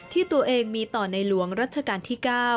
ที่ตัวเองมีต่อในหลวงรัชกาลที่๙